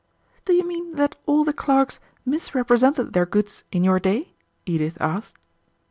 "Do you mean that all the clerks misrepresented their goods in your day?" Edith asked.